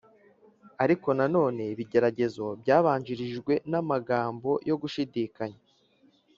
Ariko na none ibigeragezo byabanjirijwe n’amagambo yo gushidikanya,